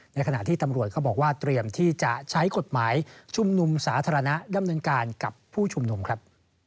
ขณะที่ตำรวจเขาบอกว่าเตรียมที่จะใช้กฎหมายชุมนุมสาธารณะดำเนินการกับผู้ชุมนุมครับ